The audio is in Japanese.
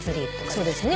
そうですね。